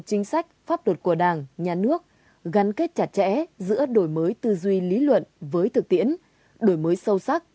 chính sách pháp luật của đảng nhà nước gắn kết chặt chẽ giữa đổi mới tư duy lý luận với thực tiễn đổi mới sâu sắc